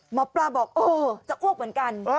หมอปลาบอกโอ้จะอ้วกเหมือนกัน